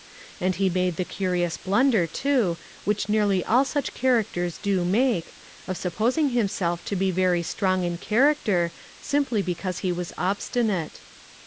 And he made the curious blunder, too, which nearly all such characters do make, of supposing himself to be very strong in character, simply because he was obstinate.